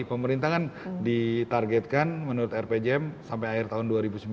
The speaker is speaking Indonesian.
pemerintah kan ditargetkan menurut rpjm sampai akhir tahun dua ribu sembilan belas